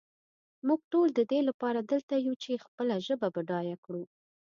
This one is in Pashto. مونږ ټول ددې لپاره دلته یو چې خپله ژبه بډایه کړو.